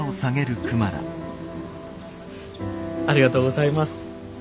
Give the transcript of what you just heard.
ありがとうございます。